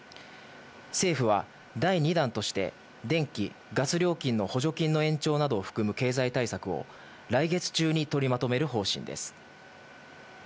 政府は第２弾として、電気・ガス料金の補助金の延長などを含む経済対策を来月中に取りまとめる方針です。